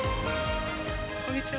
こんにちは。